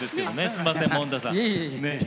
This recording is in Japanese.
すみませんもんたさん。